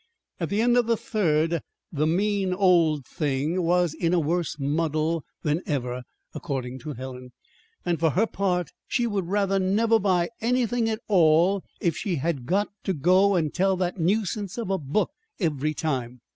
At the end of the third, the "mean old thing" was in a worse muddle than ever, according to Helen; and, for her part, she would rather never buy anything at all if she had got to go and tell that nuisance of a book every time!